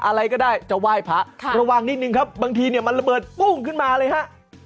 อะไรก็ได้จะไหว้พระระวังนิดนึงครับบางทีเนี่ยมันระเบิดปุ้งขึ้นมาเลยฮะ